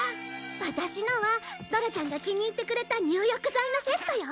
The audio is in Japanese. ワタシのはドラちゃんが気に入ってくれた入浴剤のセットよ！